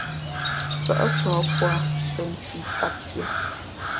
Sα̌ʼ sǒh pō ā ,tα nsi fāt siē.